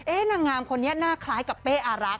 เอ๊ะนางงามคนนี้น่าคล้ายกับเป้อารัก